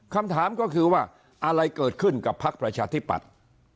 คำถามก็คือว่าอะไรเกิดขึ้นกับพักประชาธิปัตย์